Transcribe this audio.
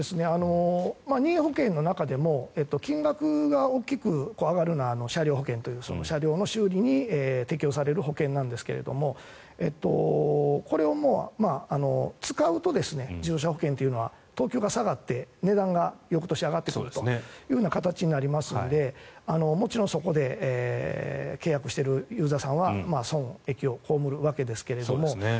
任意保険の中でも金額が大きく上がるのは車両保険という、車両の修理に適用される保険なんですがこれを使うと自動車保険というのは等級が下がって値段が翌年上がってくるという形になりますのでもちろんそこで契約しているユーザーさんは損益を被るわけですが。